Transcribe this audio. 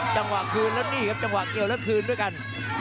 จังหวะคืนแล้วนี่ครับจังหวะเกี่ยวแล้วคืนด้วยกัน